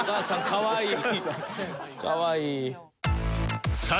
かわいい。